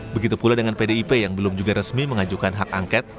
begitu pula dengan pdip yang belum juga resmi mengajukan hak angket